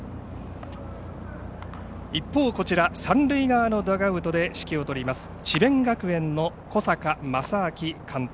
一方、三塁側のダグアウトで指揮を執ります智弁学園の小坂将商監督